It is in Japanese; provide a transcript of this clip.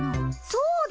そうだ！